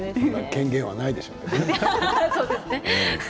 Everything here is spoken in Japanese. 県ではないでしょうけどね。